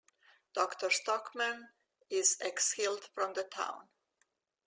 Doctor Stockmann is exiled from the town.